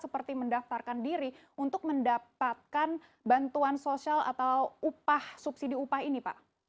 seperti mendaftarkan diri untuk mendapatkan bantuan sosial atau upah subsidi upah ini pak